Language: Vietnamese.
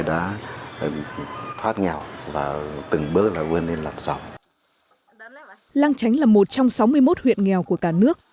lang chánh là một trong sáu mươi một huyện nghèo của cả nước